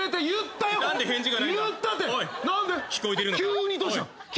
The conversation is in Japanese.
急にどうした？